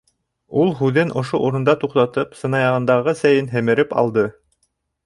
Ул, һүҙен ошо урында туҡтатып, сынаяғындағы сәйен һемереп алды.